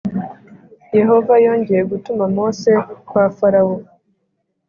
Yehova yongeye gutuma Mose kwa Farawo